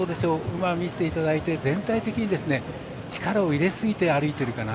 馬を見ていただいて全体的に力を入れすぎて歩いているかな。